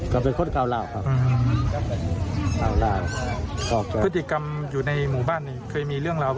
กับไปเข้าล่าพฤติกรรมอยู่ในหมู่บ้านเคยมีเรื่องราว